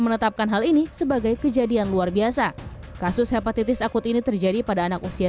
menetapkan hal ini sebagai kejadian luar biasa kasus hepatitis akut ini terjadi pada anak usia